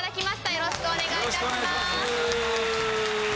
よろしくお願いします。